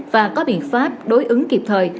và có biện pháp đối ứng kịp thời